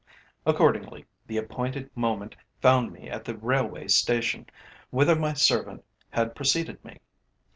Accordingly, the appointed moment found me at the railway station, whither my servant had preceded me.